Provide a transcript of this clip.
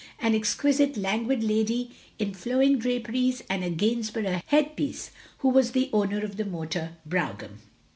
An exquisite languid lady in flowing draperies and a Gainsborough headpiece, who was the owner of the motor brougham.